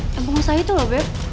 yang penghina saya itu lho beb